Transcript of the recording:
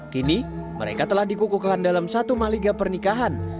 kini mereka telah dikukuhkan dalam satu maliga pernikahan